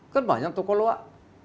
kan banyak toko luar